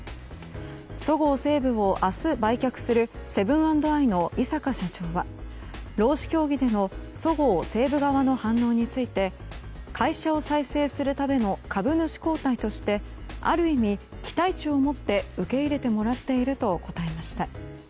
そごう・西武を明日売却するセブン＆アイの井阪社長は労使協議でのそごう・西武側の反応について会社を再生するための株主交代としてある意味、期待値を持って受け入れてもらっていると答えました。